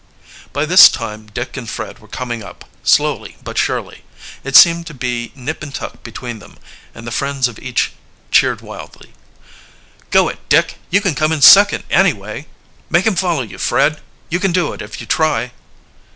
By this time Dick and Fred were coming up, slowly but surely. It seemed to be nip and tuck between them, and the friends of each cheered wildly. "Go it, Dick; you can come in second anyway!" "Make him follow you, Fred! You can do it if you try!"